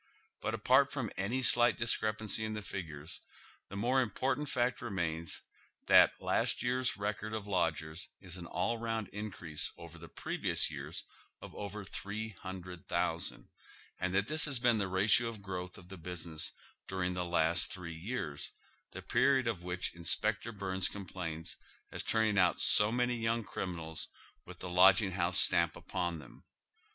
But, apart from any slight discrepancy in the figures, the more important fact remains that last year's record of lodgers is an ail round increase over the previous year's of over tliree hundred thousand, and that this has been the ratio of growth of the business during the last three years, the period of which Inspector Byrnes complains as turning out so many young criminals with the lodging house stamp upon them.